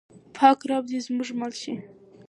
پاک رب دې زموږ مل شي.